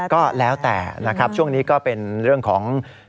ก็แล้วแต่นะครับช่วงนี้ก็เป็นเรื่องของ